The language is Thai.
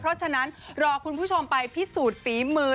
เพราะฉะนั้นรอคุณผู้ชมไปพิสูจน์ฝีมือ